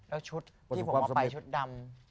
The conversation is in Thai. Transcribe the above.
แล้วชุดที่ผมเอาไปชุดดำ